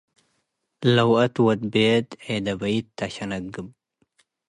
ለወአት ወድ በየድ ዔደባይት ተ ሸነግብ